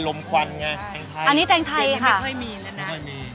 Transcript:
ควันไงอันนี้แตงไทยยังไม่ค่อยมีแล้วนะไม่มี